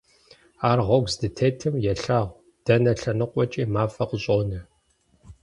Ар гъуэгу здытетым, елъагъу: дэнэ лъэныкъуэкӀи мафӀэ къыщӀонэ.